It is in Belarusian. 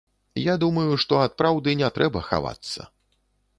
Я думаю, што ад праўды не трэба хавацца.